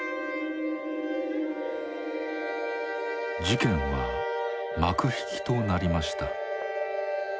事件は幕引きとなりました。